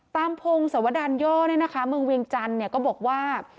ตามพงศาวดานย่อเนี่ยนะคะเมืองเวียงจันทร์เนี่ยก็บอกว่า